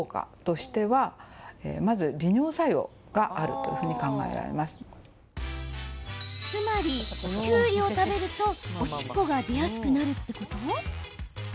きゅうりの中にはつまり、きゅうりを食べるとおしっこが出やすくなるってこと？